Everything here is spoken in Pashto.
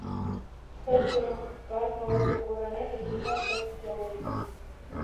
د ښځو کار کول د کورنۍ اقتصادي ثبات پیاوړی کوي.